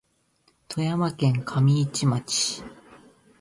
富山県上市町